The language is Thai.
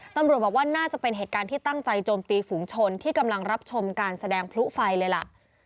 ตำรวจบอกว่าน่าจะเป็นเหตุการณ์ที่ตั้งใจโจมตีฝูงชนที่กำลังรับชมการแสดงพลุไฟเลยล่ะ